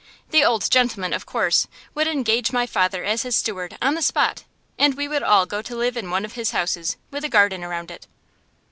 The old gentleman, of course, would engage my father as his steward, on the spot, and we would all go to live in one of his houses, with a garden around it.